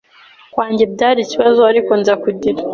kwanjye byari ikibazo ariko nza kugira